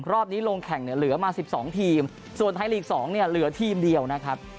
รอบนี้ลงแข่งเนี่ยเหลือมา๑๒ทีมส่วนไทยลีก๒เนี่ยเหลือทีมเดียวนะครับ